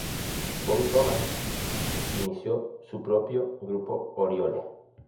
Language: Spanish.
Bobby Thomas inició su propio grupo Orioles.